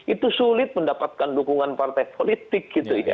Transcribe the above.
itu sulit mendapatkan dukungan partai politik